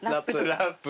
ラップ。